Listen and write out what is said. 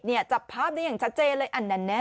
เนี่ยจับภาพได้อย่างชัดเจนเลย